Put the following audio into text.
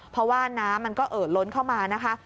เพราะว่าน้ำมันก็เอ่อล้นเข้ามานะคะ